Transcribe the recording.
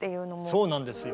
そうなんですよ。